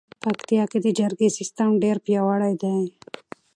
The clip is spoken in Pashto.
پکتیکا کې د جرګې سیستم ډېر پیاوړی دی.